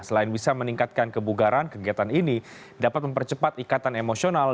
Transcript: selain bisa meningkatkan kebugaran kegiatan ini dapat mempercepat ikatan emosional